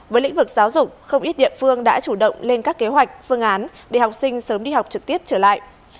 với lĩnh vực giáo dục không ít địa phương đã chủ động lên các kế hoạch phương án để học sinh sớm đi học trực tiếp trở lại